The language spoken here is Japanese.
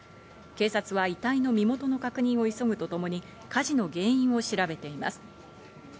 警察は遺体の身元の確認を急ぐとともに、火事の原因を調べています。